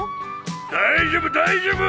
大丈夫大丈夫！